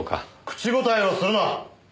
口答えをするな！